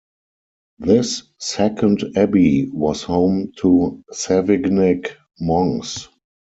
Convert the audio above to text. This second abbey was home to Savignac monks.